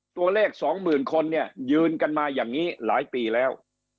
ตัวเลข๒๐๐๐คนยืนกันมาอย่างนี้หลายปีแล้ว